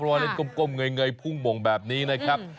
เพราะว่าเล่นก้มเงยพุ่งบ่งแบบนี้นะครับ